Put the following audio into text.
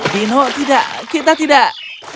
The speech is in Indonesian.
dino tidak kita tidak